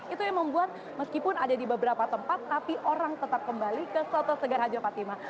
itu yang membuat meskipun ada di beberapa tempat tapi orang tetap kembali ke soto segar haja fatima